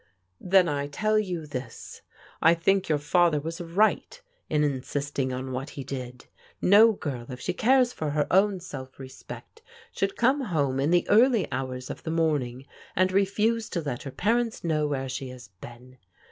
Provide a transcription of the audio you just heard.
Then I tell you this. I think your father was right in insisting on what he did. No g^rl, if she cares for her Dwn self respect, should come home in the early hours of the morning and refuse to let her parents know where she has been.